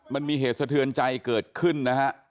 มันมีเหตุสะเทือนใจเกิดขึ้นนะฮะ